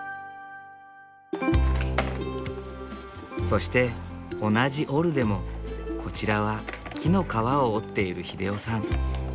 そして同じ「織る」でもこちらは木の皮を織っている秀夫さん。